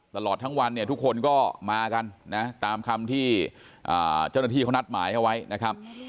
ตลอดทั้งวันเนี่ยทุกคนก็มากันนะตามคำที่เจ้าหน้าที่เขานัดหมายเอาไว้นะครับ